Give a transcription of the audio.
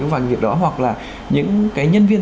và việc đó hoặc là những nhân viên